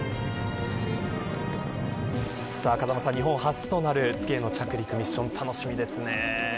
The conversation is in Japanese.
風間さん、日本初となる月への着陸ミッション楽しみですね。